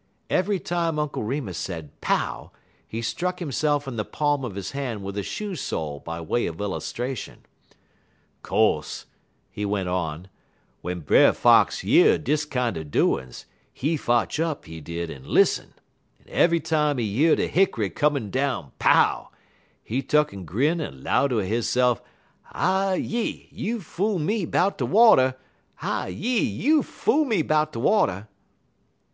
'" Every time Uncle Remus said "Pow!" he struck himself in the palm of his hand with a shoe sole by way of illustration. "Co'se," he went on, "w'en Brer Fox year dis kinder doin's, he fotch up, he did, en lissen, en ev'y time he year de hick'ry come down pow! he tuck'n grin en 'low ter hisse'f, 'Ah yi! you fool me 'bout de water! Ah yi! you fool me 'bout de water!'